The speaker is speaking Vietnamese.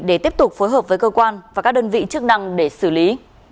để tiếp tục phối hợp với cơ quan và các đơn vị chức năng để xử lý